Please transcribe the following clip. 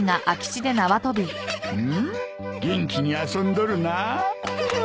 うん元気に遊んどるなあ。